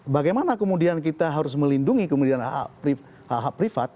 bagaimana kemudian kita harus melindungi kemudian hak hak privat